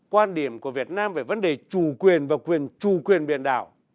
quan điểm của việt nam về vấn đề chủ quyền và quyền chủ quyền biển đảo